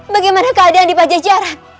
bagaimana keadaan di pak jejaran